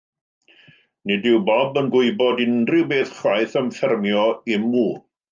Nid yw Bob yn gwybod unrhyw beth chwaith am ffermio "emw".